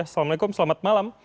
assalamualaikum selamat malam